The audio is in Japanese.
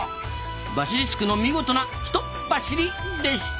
バシリスクの見事な「ひとっバシリ」でした。